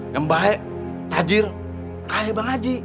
yang baik tajir kaya bang haji